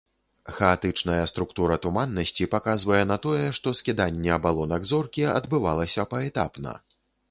Хаатычная структура туманнасці паказвае на тое, што скіданне абалонак зоркі адбывалася паэтапна.